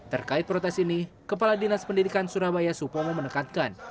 terkait protes ini kepala dinas pendidikan surabaya supomo menekankan